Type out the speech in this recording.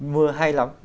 mưa hay lắm